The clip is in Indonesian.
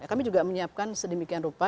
kami juga menyiapkan sedemikian rupa